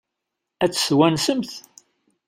Ad tt-twansemt?